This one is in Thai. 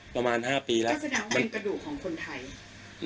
ประมาณห้าปีแล้วก็แสดงว่าเป็นกระดูกของคนไทย